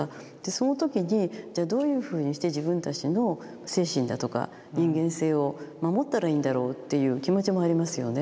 その時にじゃあどういうふうにして自分たちの精神だとか人間性を守ったらいいんだろうっていう気持ちもありますよね。